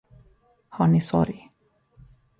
Har ni sorg?